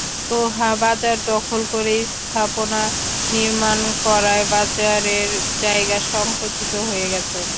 তোহা বাজার দখল করে স্থাপনা নির্মাণ করায় বাজারের জায়গা সংকুচিত হয়ে গেছে।